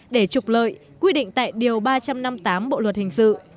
để trục lợi quy định tại điều ba trăm năm mươi tám bộ luật hình sự